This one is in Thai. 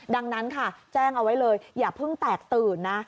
ดังนั้นค่ะแจ้งเอาไว้เลยอย่าเพิ่งแตกตื่นนะ